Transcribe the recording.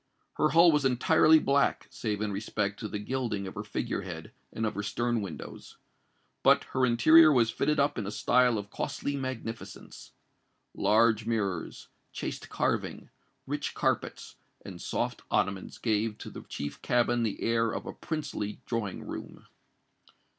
Her hull was entirely black, save in respect to the gilding of her figurehead and of her stern windows; but her interior was fitted up in a style of costly magnificence. Large mirrors, chaste carving, rich carpets, and soft ottomans gave to the chief cabin the air of a princely drawing room.